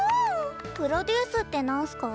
プロデュースってなんすか？